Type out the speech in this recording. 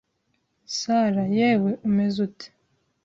Sara, yewe umeze ute?